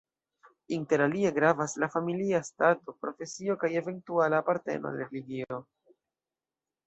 Inter alie gravas la familia stato, profesio kaj eventuala aparteno al religio.